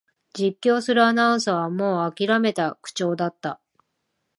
実況するアナウンサーはもうあきらめた口調だった